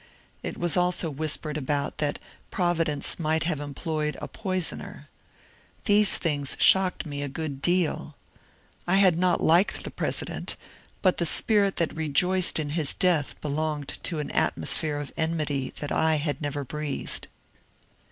It was also whispered about that Providence might have employed a poisoner. These things shocked me a good deal. I had not liked the President, but the spirit that rejoiced in his death belonged to an at mosphere of enmity I had never breathed.